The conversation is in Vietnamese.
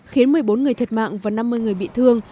khiến một mươi bốn người thiệt mạng và năm mươi người bị thương